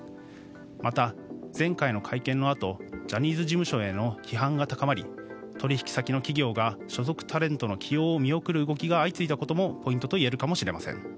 また、前回の会見のあとジャニーズ事務所への批判が高まり取引先の企業が所属タレントの起用を見送る動きが相次いだこともポイントと言えるかもしれません。